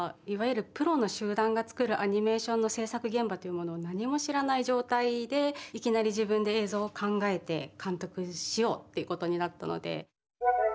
いわゆるプロの集団が作るアニメーションの制作現場というものを何も知らない状態でいきなり自分で映像を考えて監督しようっていうことになったので。